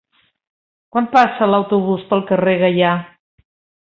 Quan passa l'autobús pel carrer Gaià?